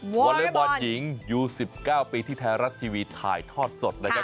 วอเลเวอร์บอร์ดหญิงยู๑๙ปีที่แท้รัฐทีวีถ่ายทอดสดนะครับ